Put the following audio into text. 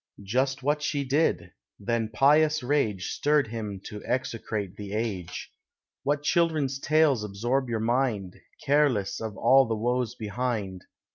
"Just what she did: then pious rage Stirr'd him to execrate the age. What children's tales absorb your mind, Careless of all the woes behind!